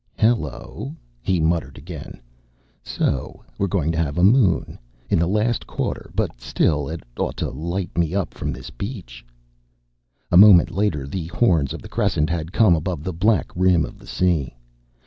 "Hello," he muttered again. "So we're going to have a moon? In the last quarter, but still it ought to light me up from this beach." A moment later the horns of the crescent had come above the black rim of the sea.